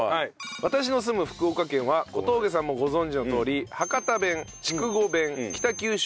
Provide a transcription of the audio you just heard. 私の住む福岡県は小峠さんもご存じのとおり博多弁筑後弁北九州